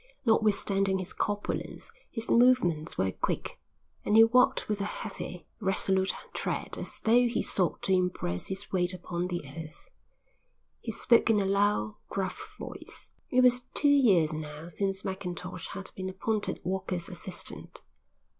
Notwithstanding his corpulence his movements were quick, and he walked with a heavy, resolute tread as though he sought to impress his weight upon the earth. He spoke in a loud, gruff voice. It was two years now since Mackintosh had been appointed Walker's assistant.